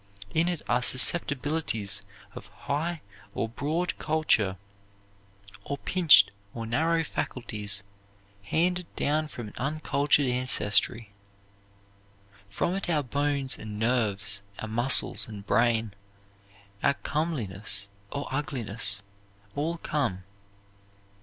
In it are susceptibilities of high or broad culture, or pinched or narrow faculties handed down from an uncultured ancestry. From it our bones and nerves, our muscles and brain, our comeliness or ugliness, all come.